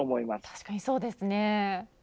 確かにそうですね。